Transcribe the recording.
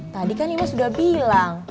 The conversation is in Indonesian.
tadi kan imas udah bilang